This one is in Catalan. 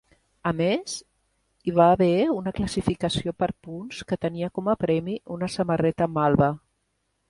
A més, hi va haver una classificació per punts, que tenia com a premi una samarreta malva.